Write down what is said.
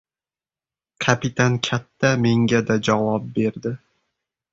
Kapitan katta menga-da javob berdi.